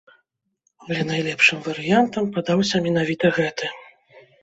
Але найлепшым варыянтам падаўся менавіта гэты.